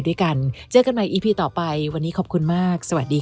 ด้วยกันเจอกันใหม่อีพีต่อไปวันนี้ขอบคุณมากสวัสดีค่ะ